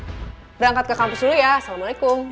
udah angkat ke kampus dulu ya assalamualaikum